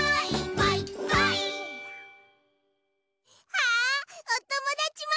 あっおともだちも。